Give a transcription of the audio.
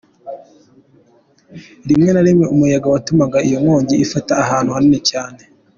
Rimwe na rimwe umuyaga watumaga iyo nkongi ifata ahantu hanini cyane.